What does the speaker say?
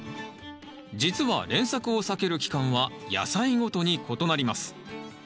実は連作を避ける期間は野菜ごとに異なります。